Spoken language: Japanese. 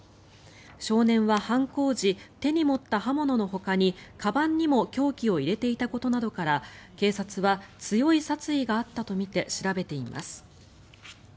少年は犯行時、手に持った刃物のほかにかばんにも凶器を入れていたことなどから警察は強い殺意があったとみて調べています。